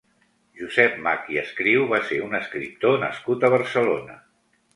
Josep Mach i Escriu va ser un escriptor nascut a Barcelona.